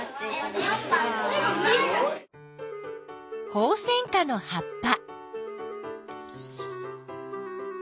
ホウセンカの葉っぱ。